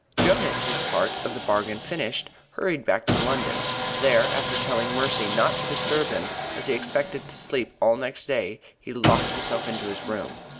Jonas, his part of the bargain finished, hurried back to London. There, after telling Mercy not to disturb him, as he expected to sleep all next day, he locked himself into his room.